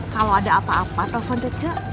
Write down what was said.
kalo ada apa apa telpon tuh cek